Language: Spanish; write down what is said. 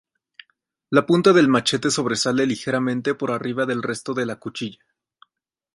La punta del machete sobresale ligeramente por arriba del resto de la cuchilla.